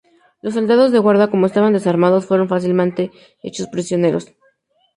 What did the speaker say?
Los soldados de Guarda, como estaban desarmados, fueron fácilmente hechos prisioneros.